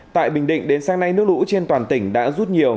tại bình định đến sáng nay nước lũ trên toàn tỉnh đã rút nhiều